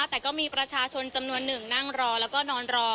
แต่ก็มีประชาชนจำนวนหนึ่งนั่งรอแล้วก็นอนรอ